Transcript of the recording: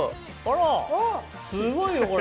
すごいよこれ。